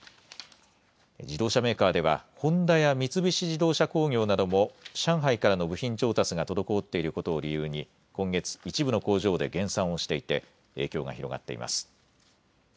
自動車メーカーではホンダや三菱自動車工業なども上海からの部品調達が滞っていることを理由に今月、一部の工場で減産をしていて影響が広がっています。